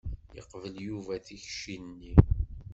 Yeqbel Yuba tikci-nni.